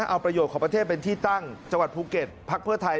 เอาประโยชน์ของประเทศเป็นที่ตั้งจังหวัดภูเก็ตพักเพื่อไทย